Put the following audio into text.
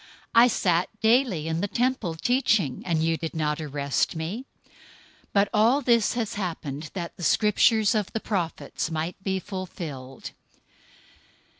I sat daily in the temple teaching, and you didn't arrest me. 026:056 But all this has happened, that the Scriptures of the prophets might be fulfilled."